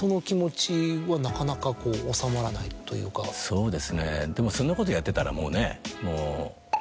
そうですねでもそんなことやってたらもうね。